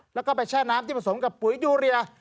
แล้วก็ไปแช่น้ำที่ผสมกับปุ๋ยยูเรีย